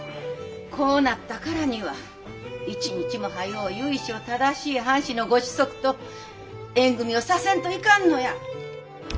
こうなったからには一日も早う由緒正しい藩士の御子息と縁組みをさせんといかんのや。